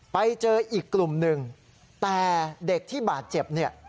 ไปเจออีกกลุ่มหนึ่งแต่เด็กที่บาดเจ็บเนี่ย